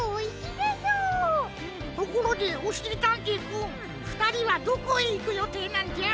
ところでおしりたんていくんふたりはどこへいくよていなんじゃ？